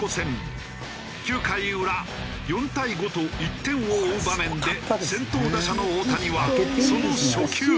９回裏４対５と１点を追う場面で先頭打者の大谷はその初球。